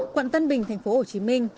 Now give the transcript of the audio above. quận tân bình tp hcm